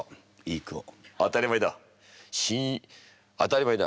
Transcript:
当たり前だ。